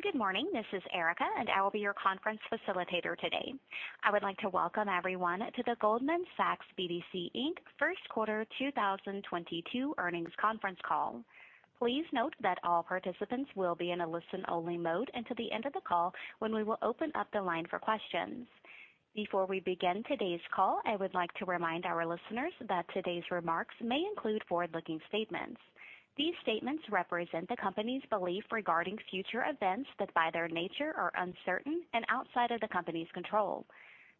Good morning. This is Erica, and I will be your conference facilitator today. I would like to welcome everyone to the Goldman Sachs BDC, Inc. First Quarter 2022 earnings conference call. Please note that all participants will be in a listen-only mode until the end of the call, when we will open up the line for questions. Before we begin today's call, I would like to remind our listeners that today's remarks may include forward-looking statements. These statements represent the company's belief regarding future events that, by their nature, are uncertain and outside of the company's control.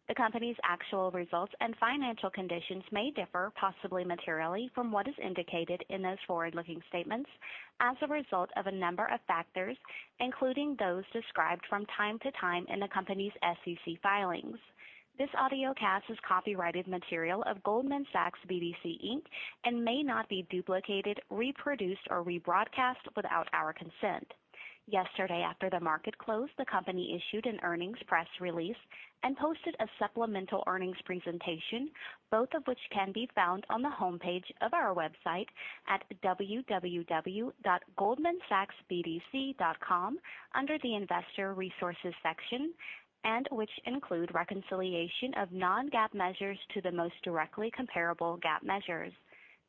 The company's actual results and financial conditions may differ, possibly materially, from what is indicated in those forward-looking statements as a result of a number of factors, including those described from time to time in the company's SEC filings. This audiocast is copyrighted material of Goldman Sachs BDC, Inc. may not be duplicated, reproduced, or rebroadcast without our consent. Yesterday, after the market closed, the company issued an earnings press release and posted a supplemental earnings presentation, both of which can be found on the homepage of our website at www.goldmansachsbdc.com under the Investor Resources section, and which include reconciliation of non-GAAP measures to the most directly comparable GAAP measures.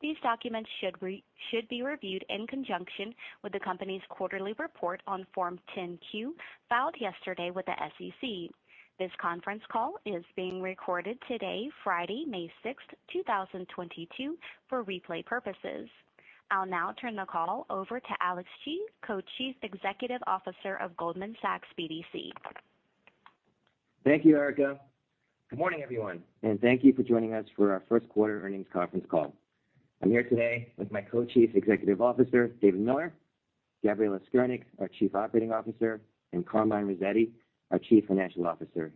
These documents should be reviewed in conjunction with the company's quarterly report on Form 10-Q filed yesterday with the SEC. This conference call is being recorded today, Friday, May sixth, two thousand twenty-two, for replay purposes. I'll now turn the call over to Alex Chi, Co-Chief Executive Officer of Goldman Sachs BDC. Thank you, Erica. Good morning, everyone, and thank you for joining us for our first quarter earnings conference call. I'm here today with my Co-Chief Executive Officer, David Miller, Gabriella Skirnick, our Chief Operating Officer, and Carmine Rossetti, our Chief Financial Officer.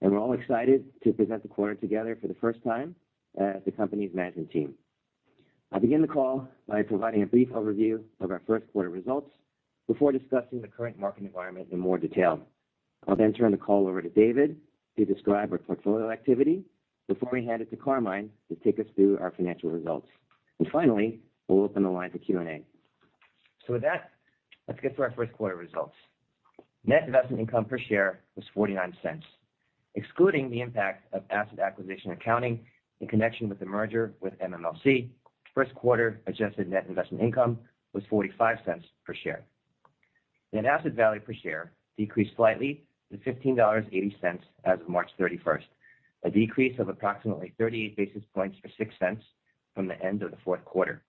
We're all excited to present the quarter together for the first time as the company's management team. I'll begin the call by providing a brief overview of our first quarter results before discussing the current market environment in more detail. I'll then turn the call over to David to describe our portfolio activity before we hand it to Carmine to take us through our financial results. Finally, we'll open the line for Q&A. With that, let's get to our first quarter results. Net investment income per share was $0.49. Excluding the impact of asset acquisition accounting in connection with the merger with MMLC, first quarter adjusted net investment income was $0.45 per share. Net asset value per share decreased slightly to $15.80 as of March 31, a decrease of approximately 38 basis points or $0.06 from the end of the fourth quarter.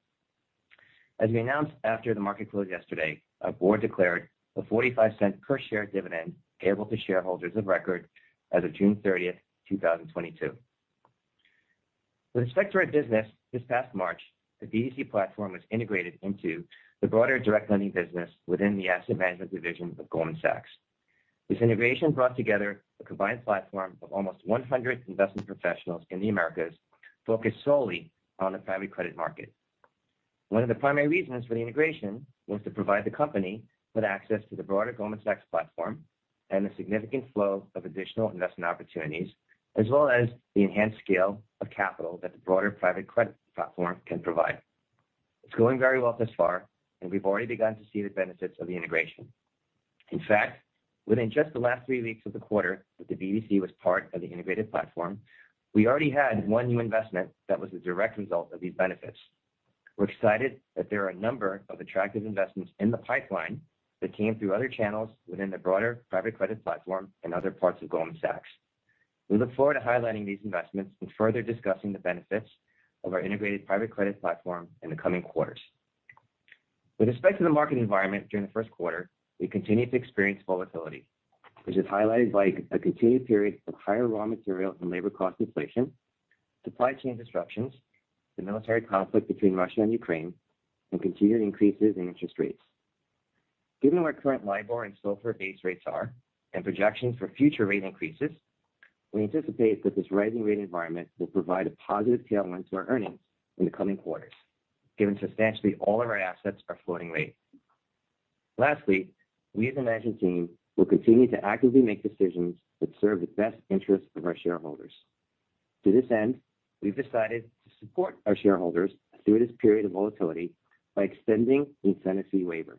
As we announced after the market closed yesterday, our board declared a $0.45 per share dividend payable to shareholders of record as of June 30, 2022. With respect to our business, this past March, the BDC platform was integrated into the broader direct lending business within the asset management division of Goldman Sachs. This integration brought together a combined platform of almost 100 investment professionals in the Americas focused solely on the private credit market. One of the primary reasons for the integration was to provide the company with access to the broader Goldman Sachs platform and the significant flow of additional investment opportunities, as well as the enhanced scale of capital that the broader private credit platform can provide. It's going very well thus far, and we've already begun to see the benefits of the integration. In fact, within just the last three weeks of the quarter that the BDC was part of the integrated platform, we already had one new investment that was a direct result of these benefits. We're excited that there are a number of attractive investments in the pipeline that came through other channels within the broader private credit platform and other parts of Goldman Sachs. We look forward to highlighting these investments and further discussing the benefits of our integrated private credit platform in the coming quarters. With respect to the market environment during the first quarter, we continue to experience volatility, which is highlighted by a continued period of higher raw material and labor cost inflation, supply chain disruptions, the military conflict between Russia and Ukraine, and continued increases in interest rates. Given where current LIBOR and SOFR base rates are and projections for future rate increases, we anticipate that this rising rate environment will provide a positive tailwind to our earnings in the coming quarters, given substantially all of our assets are floating rate. Lastly, we as a management team will continue to actively make decisions that serve the best interests of our shareholders. To this end, we've decided to support our shareholders through this period of volatility by extending the incentive fee waiver.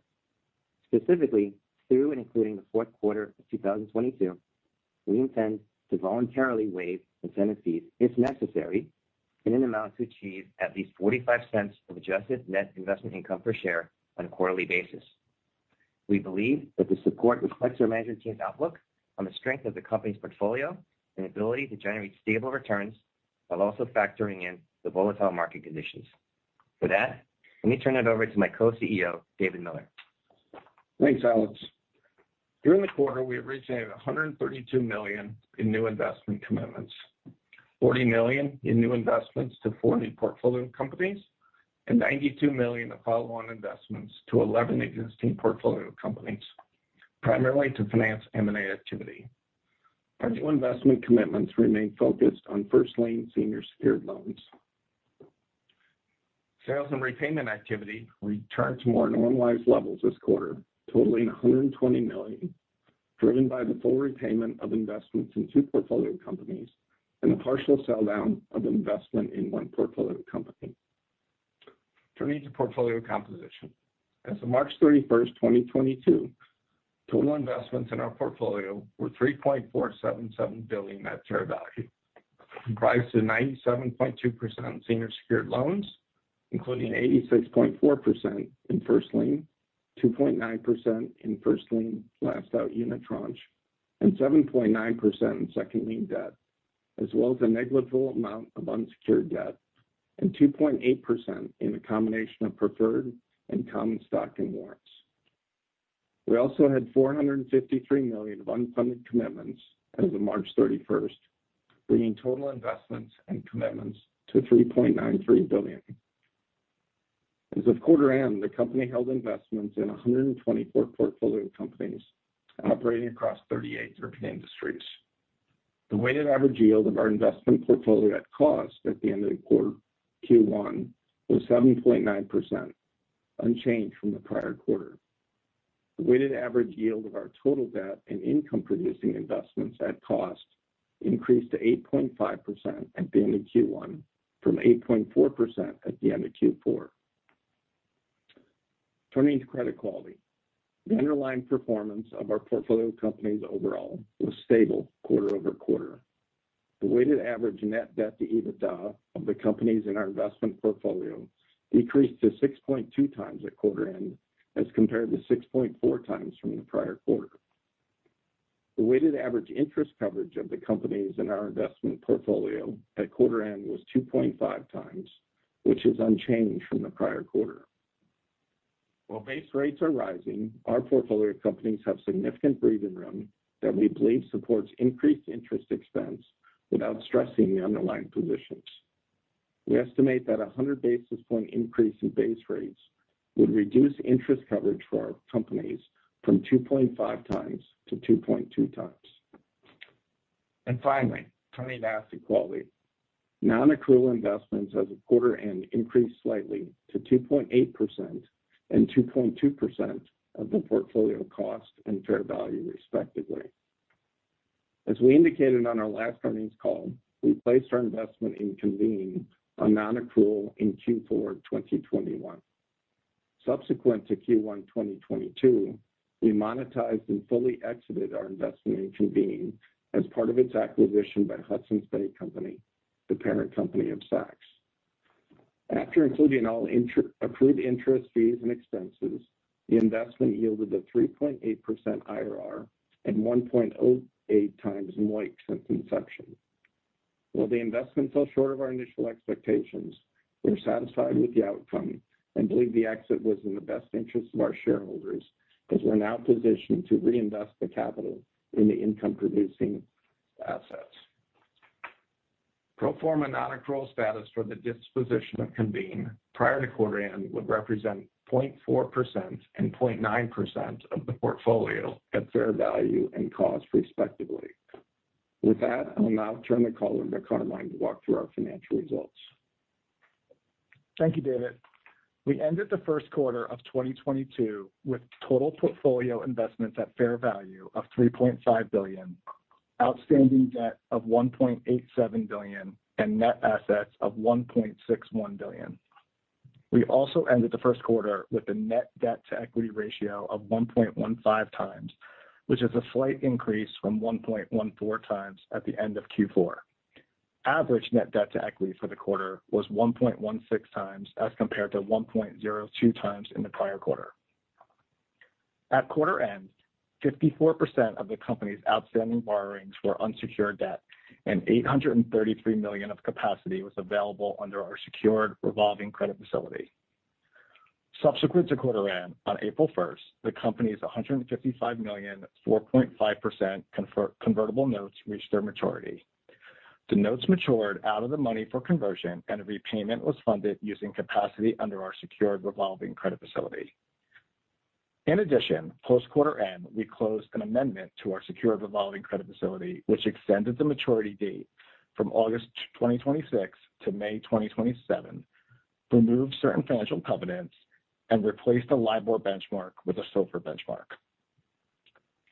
Specifically, through and including the fourth quarter of 2022, we intend to voluntarily waive incentive fees if necessary in an amount to achieve at least $0.45 of adjusted net investment income per share on a quarterly basis. We believe that the support reflects our management team's outlook on the strength of the company's portfolio and ability to generate stable returns while also factoring in the volatile market conditions. For that, let me turn it over to my Co-CEO, David Miller. Thanks, Alex. During the quarter, we originated $132 million in new investment commitments, $40 million in new investments to four new portfolio companies, and $92 million of follow-on investments to 11 existing portfolio companies, primarily to finance M&A activity. Our new investment commitments remain focused on first lien senior secured loans. Sales and repayment activity returned to more normalized levels this quarter, totaling $120 million, driven by the full repayment of investments in two portfolio companies and a partial sell down of investment in one portfolio company. Turning to portfolio composition. As of March 31, 2022, total investments in our portfolio were $3.477 billion net fair value, comprised of 97.2% senior secured loans, including 86.4% in first lien, 2.9% in first lien last out unit tranche, and 7.9% in second lien debt, as well as a negligible amount of unsecured debt, and 2.8% in a combination of preferred and common stock and warrants. We also had $453 million of unfunded commitments as of March 31, bringing total investments and commitments to $3.93 billion. As of quarter end, the company held investments in 124 portfolio companies operating across 38 different industries. The weighted average yield of our investment portfolio at cost at the end of the quarter, Q1, was 7.9%, unchanged from the prior quarter. The weighted average yield of our total debt and income-producing investments at cost increased to 8.5% at the end of Q1 from 8.4% at the end of Q4. Turning to credit quality. The underlying performance of our portfolio companies overall was stable quarter-over-quarter. The weighted average net debt to EBITDA of the companies in our investment portfolio decreased to 6.2x at quarter end as compared to 6.4x from the prior quarter. The weighted average interest coverage of the companies in our investment portfolio at quarter end was 2.5x, which is unchanged from the prior quarter. While base rates are rising, our portfolio companies have significant breathing room that we believe supports increased interest expense without stressing the underlying positions. We estimate that 100 basis point increase in base rates would reduce interest coverage for our companies from 2.5x to 2.2x. Finally, turning to asset quality. Non-accrual investments as of quarter end increased slightly to 2.8% and 2.2% of the portfolio cost and fair value, respectively. As we indicated on our last earnings call, we placed our investment in Convene on non-accrual in Q4 2021. Subsequent to Q1 2022, we monetized and fully exited our investment in Convene as part of its acquisition by Hudson's Bay Company, the parent company of Saks. After including all accrued interest, fees, and expenses, the investment yielded a 3.8% IRR and 1.8x MOIC since inception. While the investment fell short of our initial expectations, we're satisfied with the outcome and believe the exit was in the best interest of our shareholders, as we're now positioned to reinvest the capital into income-producing assets. Pro forma non-accrual status for the disposition of Convene prior to quarter end would represent 0.4% and 0.9% of the portfolio at fair value and cost, respectively. With that, I'll now turn the call over to Carmine to walk through our financial results. Thank you, David. We ended the first quarter of 2022 with total portfolio investments at fair value of $3.5 billion, outstanding debt of $1.87 billion, and net assets of $1.61 billion. We also ended the first quarter with a net debt-to-equity ratio of 1.15x, which is a slight increase from 1.14x at the end of Q4. Average net debt-to-equity for the quarter was 1.16x as compared to 1.02x in the prior quarter. At quarter end, 54% of the company's outstanding borrowings were unsecured debt, and $833 million of capacity was available under our secured revolving credit facility. Subsequent to quarter end, on April 1, the company's $155 million, 4.5% convertible notes reached their maturity. The notes matured out of the money for conversion, and repayment was funded using capacity under our secured revolving credit facility. In addition, post quarter end, we closed an amendment to our secured revolving credit facility, which extended the maturity date from August 2026 to May 2027, removed certain financial covenants, and replaced the LIBOR benchmark with a SOFR benchmark.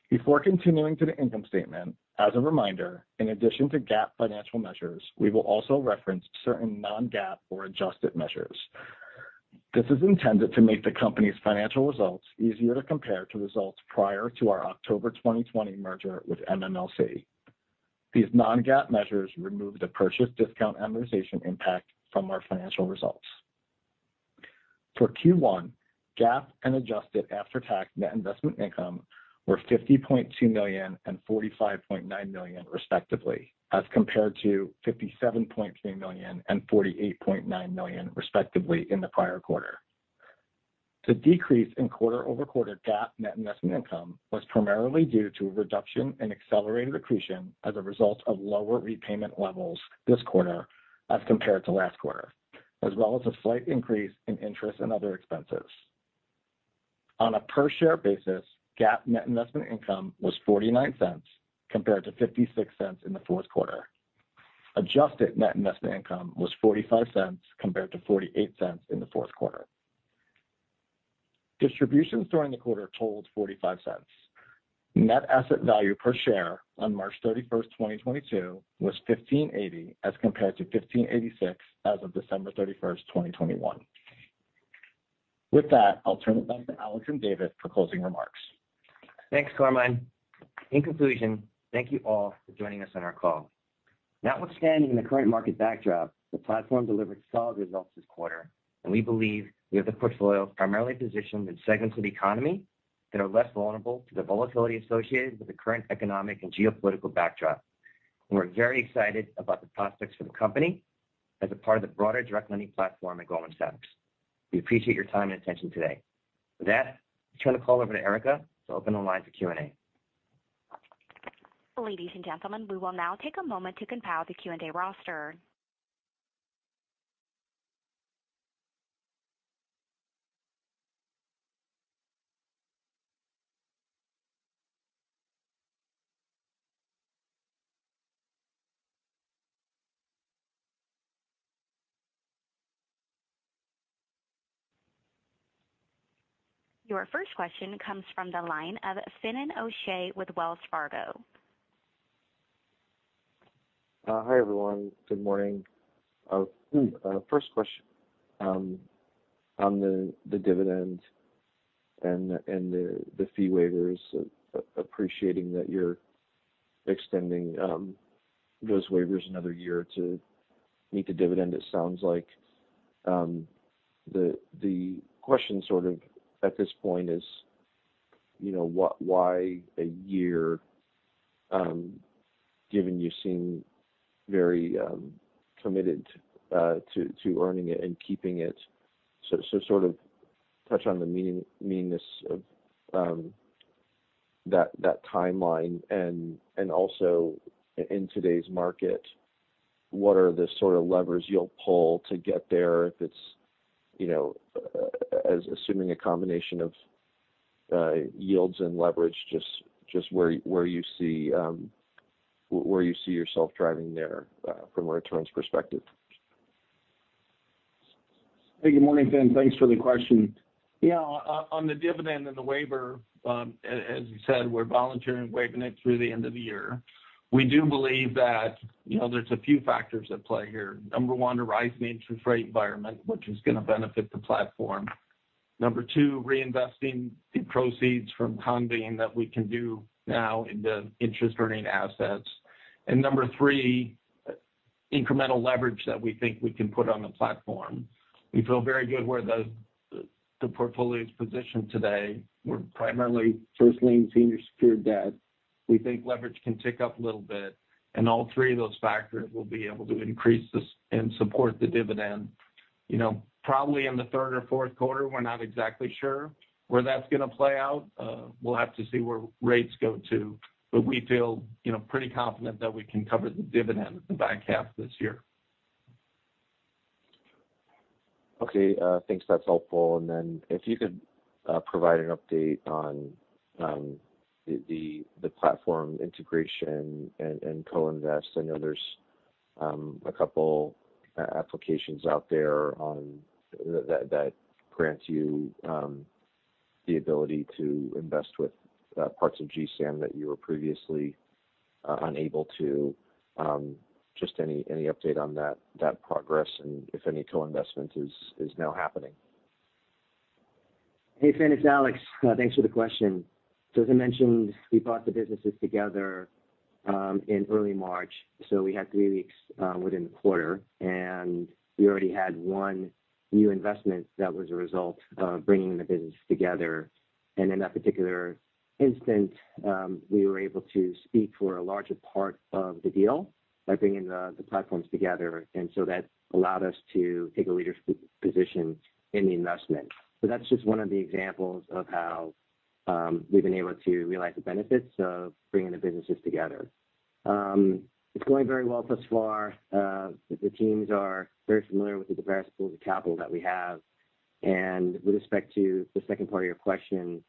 Before continuing to the income statement, as a reminder, in addition to GAAP financial measures, we will also reference certain non-GAAP or adjusted measures. This is intended to make the company's financial results easier to compare to results prior to our October 2020 merger with MMLC. These non-GAAP measures remove the purchase discount amortization impact from our financial results. For Q1, GAAP and adjusted after-tax net investment income were $50.2 million and $45.9 million, respectively, as compared to $57.3 million and $48.9 million, respectively, in the prior quarter. The decrease in quarter-over-quarter GAAP net investment income was primarily due to a reduction in accelerated accretion as a result of lower repayment levels this quarter as compared to last quarter, as well as a slight increase in interest and other expenses. On a per-share basis, GAAP net investment income was $0.49 compared to $0.56 in the fourth quarter. Adjusted net investment income was $0.45 compared to $0.48 in the fourth quarter. Distributions during the quarter totaled $0.45. Net asset value per share on March 31, 2022 was $15.80 as compared to $15.86 as of December 31, 2021. With that, I'll turn it back to Alex and David for closing remarks. Thanks, Carmine. In conclusion, thank you all for joining us on our call. Notwithstanding the current market backdrop, the platform delivered solid results this quarter, and we believe we have the portfolio primarily positioned in segments of the economy that are less vulnerable to the volatility associated with the current economic and geopolitical backdrop. We're very excited about the prospects for the company as a part of the broader direct lending platform at Goldman Sachs. We appreciate your time and attention today. With that, I turn the call over to Erica to open the line for Q&A. Ladies and gentlemen, we will now take a moment to compile the Q&A roster. Your first question comes from the line of Finian O'Shea with Wells Fargo. Hi, everyone. Good morning. First question, on the dividend and the fee waivers, appreciating that you're extending those waivers another year to meet the dividend, it sounds like. The question sort of at this point is, you know, why a year, given you seem very committed to earning it and keeping it. Sort of touch on the meaning of that timeline and also in today's market, what are the sort of levers you'll pull to get there if it's, you know, assuming a combination of yields and leverage, just where you see yourself driving there from a returns perspective. Hey, Good morning Finian?. Thanks for the question. Yeah, on the dividend and the waiver, as you said, we're voluntarily waiving it through the end of the year. We do believe that, you know, there's a few factors at play here. Number one, a rising interest rate environment, which is gonna benefit the platform. Number two, reinvesting the proceeds from Convene that we can do now into interest-earning assets. And number three, incremental leverage that we think we can put on the platform. We feel very good where the portfolio is positioned today. We're primarily first lien senior secured debt. We think leverage can tick up a little bit, and all three of those factors will be able to increase this and support the dividend, you know, probably in the third or fourth quarter. We're not exactly sure where that's gonna play out. We'll have to see where rates go to. We feel, you know, pretty confident that we can cover the dividend with the back half this year. Okay. Thanks. That's helpful. If you could provide an update on the platform integration and co-invest. I know there's a couple applications out there that grants you the ability to invest with parts of GSAM that you were previously unable to. Just any update on that progress and if any co-investment is now happening. Hey, Finian?, it's Alex. Thanks for the question. As I mentioned, we brought the businesses together in early March, so we had three weeks within the quarter, and we already had one new investment that was a result of bringing the business together. In that particular instance, we were able to speak for a larger part of the deal by bringing the platforms together. That allowed us to take a leadership position in the investment. That's just one of the examples of how we've been able to realize the benefits of bringing the businesses together. It's going very well thus far. The teams are very familiar with the diverse pools of capital that we have. With respect to the second part of your question,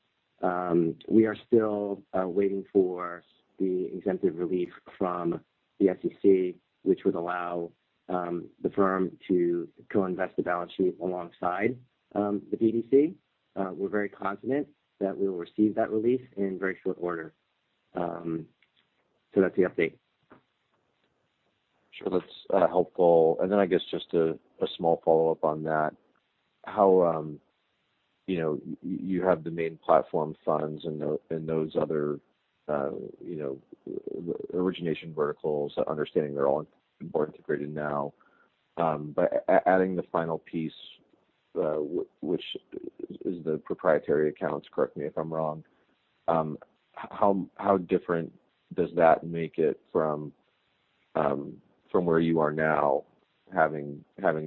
we are still waiting for the exemptive relief from the SEC, which would allow the firm to co-invest the balance sheet alongside the BDC. We're very confident that we'll receive that relief in very short order. That's the update. Sure. That's helpful. I guess just a small follow-up on that. How you know you have the main platform funds and those other you know origination verticals, understanding they're all integrated now. Adding the final piece, which is the proprietary accounts, correct me if I'm wrong. How different does that make it from where you are now having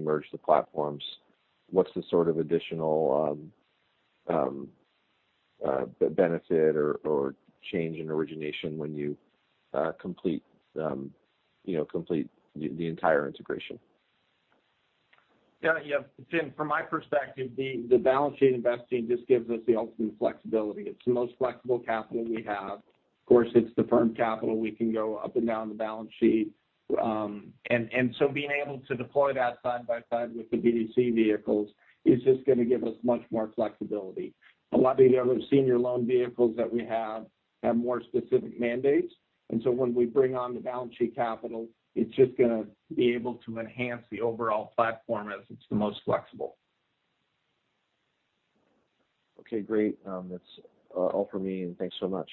merged the platforms? What's the sort of additional benefit or change in origination when you complete you know the entire integration? Yeah. Finian, from my perspective, the balance sheet investing just gives us the ultimate flexibility. It's the most flexible capital we have. Of course, it's the firm capital. We can go up and down the balance sheet. And so being able to deploy that side by side with the BDC vehicles is just gonna give us much more flexibility. A lot of the other senior loan vehicles that we have have more specific mandates, and so when we bring on the balance sheet capital, it's just gonna be able to enhance the overall platform as it's the most flexible. Okay, great. That's all for me, and thanks so much.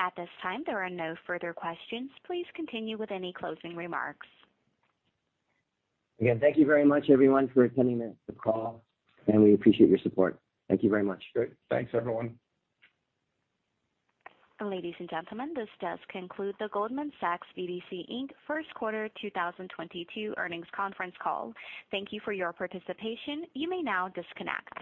At this time, there are no further questions., please continue with any closing remarks. Again, thank you very much, everyone, for attending this call, and we appreciate your support. Thank you very much. Great. Thanks, everyone. Ladies and gentlemen, this does conclude the Goldman Sachs BDC, Inc. first quarter 2022 earnings conference call. Thank you for your participation, you may now disconnect.